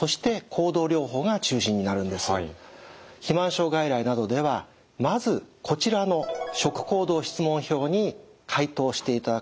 肥満症外来などではまずこちらの食行動質問表に回答していただくことから始めることが多いんです。